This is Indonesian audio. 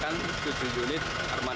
yang penting sejauh ini ada overheat